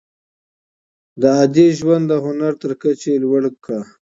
ده عادي ژوند د هنر تر کچې لوړ کړ.